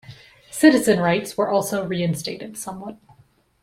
Citizen rights were also reinstated somewhat.